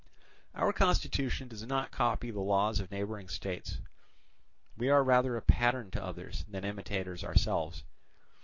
"Our constitution does not copy the laws of neighbouring states; we are rather a pattern to others than imitators ourselves.